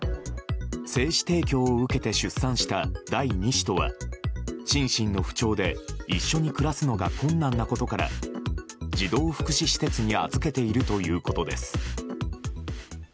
精子提供を受けて出産した第２子とは心身の不調で一緒に暮らすのが困難なことから児童福祉施設に預けているということです。